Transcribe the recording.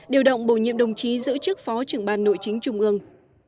điều động bổ nhiệm đồng chí giữ chức phó trưởng ban nội chính trung ương